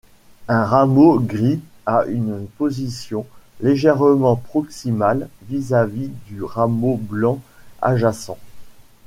Un rameau gris a une position légèrement proximale vis-à-vis du rameau blanc adjacent.